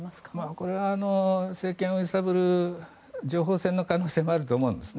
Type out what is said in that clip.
これは政権を揺さぶる情報戦の可能性もあると思うんですね。